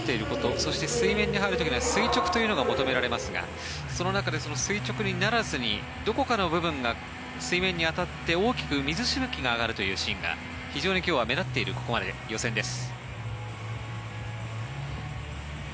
そして水面に入る時の垂直が求められますがその中で垂直にならずにどこかの部分が水面に当たって大きく水しぶきが上がるシーンが非常に目立っているここまで予選です。